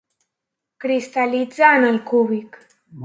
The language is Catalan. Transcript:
Cristal·litza en el cúbic.